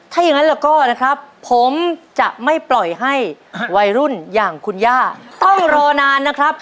ถ้าอย่างนั้นแล้วก็นะครับผมจะไม่ปล่อยให้วัยรุ่นอย่างคุณย่าต้องรอนานนะครับ